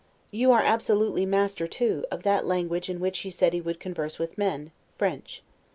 You are absolutely master, too, of that language in which he said he would converse with men; French.